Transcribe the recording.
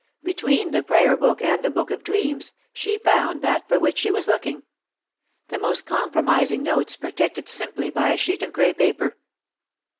Between the prayer book and the book of dreams, she found that for which she was looking : the most compromising notes protected simply by a sheet of gray paper.